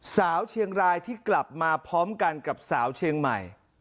สาวเชียงรายที่กลับมาพร้อมกันกับสาวเชียงใหม่